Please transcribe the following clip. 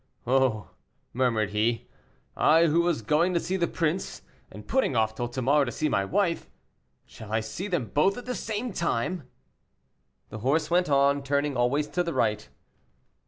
"Oh!" murmured he, "I who was going to see the prince, and putting off till to morrow to see my wife; shall I see them both at the same time?" The horse went on, turning always to the right.